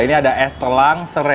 ini ada es telang serai